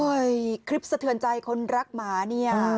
โอ้ยคลิปสะเทือนใจคนรักมาก